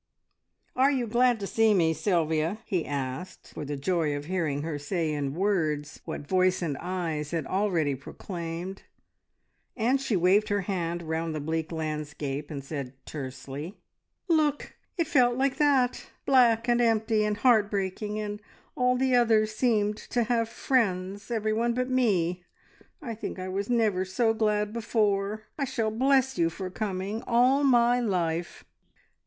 "Are you glad to see me, Sylvia?" he asked, for the joy of hearing her say in words what voice and eyes had already proclaimed; and she waved her hand round the bleak landscape, and said tersely "Look! It felt like that; black and empty, and heart breaking, and all the others seemed to have friends everyone but me. I think I was never so glad before. I shall bless you for coming all my life!"